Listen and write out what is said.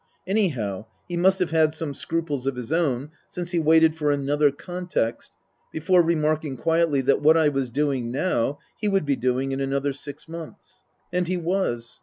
Any how, he must have had some scruples of his own, since he waited for another context before remarking quietly that what I was doing now he would be doing in another six months. (And he was.)